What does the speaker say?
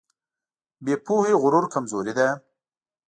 بې پوهې غرور کمزوري ده.